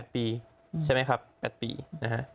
๘ปีใช่ไหมครับ๘ปีนะฮะ